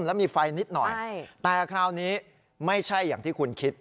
ลูกดักเลยตอนนี้